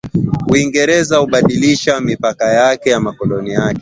uingereza haikubadilisha mipaka ya makoloni yake